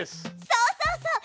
そうそうそう！